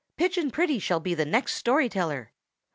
"Pigeon Pretty shall be the next story teller!"